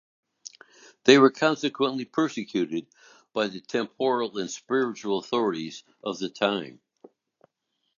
They were consequently persecuted by the temporal and spiritual authorities of the time.